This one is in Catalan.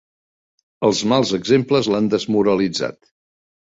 Els mals exemples l'han desmoralitzat.